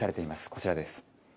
こちらです。